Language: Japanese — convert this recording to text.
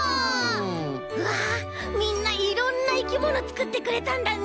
うわみんないろんないきものつくってくれたんだね！